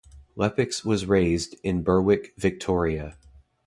Leppitsch was raised in Berwick, Victoria.